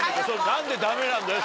何でダメなんだよ